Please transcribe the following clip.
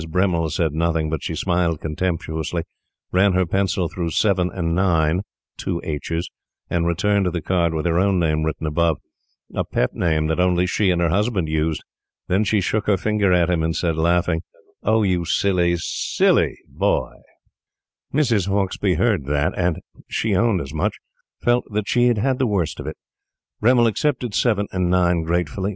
Bremmil said nothing, but she smiled contemptuously, ran her pencil through 7 and 9 two "H's" and returned the card with her own name written above a pet name that only she and her husband used. Then she shook her finger at him, and said, laughing: "Oh, you silly, SILLY boy!" Mrs. Hauksbee heard that, and she owned as much felt that she had the worst of it. Bremmil accepted 7 and 9 gratefully.